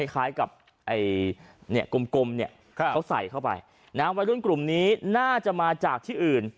คล้ายกับกลมเนี่ยเขาใส่เข้าไปวัยรุ่นกลุ่มนี้น่าจะมาจากที่อื่น